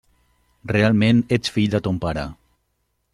Realment ets fill de ton pare.